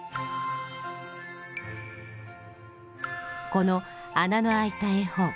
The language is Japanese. この穴のあいた絵本。